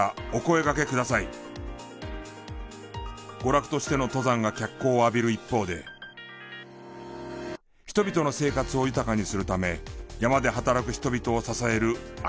娯楽としての登山が脚光を浴びる一方で人々の生活を豊かにするため山で働く人々を支える秋本真宏。